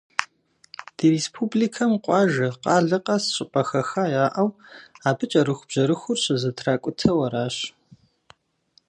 Ди республикэм къуажэ, къалэ къэс щӏыпӏэ хэха яӏэу, абы кӏэрыхубжьэрыхур щызэтракӏутэу аращ.